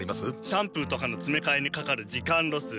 シャンプーとかのつめかえにかかる時間ロス。